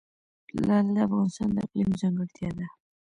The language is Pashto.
لعل د افغانستان د اقلیم ځانګړتیا ده.